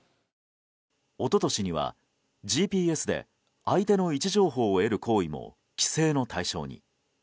一昨年には、ＧＰＳで相手の位置情報を得る行為も規制の対象に。